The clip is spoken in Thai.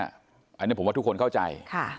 อันนี้ผมว่าทุกคนเข้าใจ